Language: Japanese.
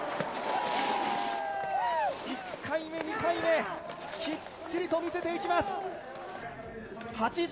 １回目、２回目、きっちりと見せていきます。